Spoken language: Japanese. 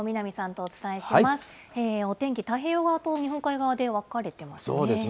お天気、太平洋側と日本海側で分かれていますね。